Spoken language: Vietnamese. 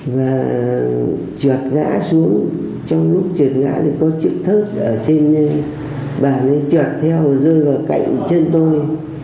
và trượt ngã xuống trong lúc trượt ngã thì có chiếc thớt ở trên bà ấy trượt theo rơi vào cạnh chân tôi